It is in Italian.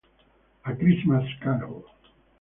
A Christmas Carol